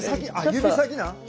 指先なんや。